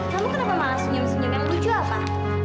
kamu kenapa malah senyum senyum yang lucu apa